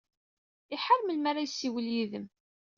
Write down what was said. Iḥar melmi ara yessiwel yid-m.